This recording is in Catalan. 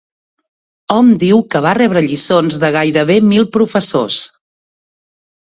Hom diu que va rebre lliçons de gairebé mil professors.